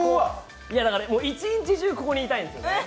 一日中、ここにいたいんですよね。